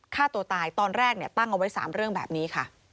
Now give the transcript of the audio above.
ฆ่าตัวตายตอนแรกตั้งเอาไว้๓เรื่องแบบนี้ค่ะ